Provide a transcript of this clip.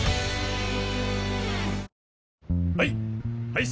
はい。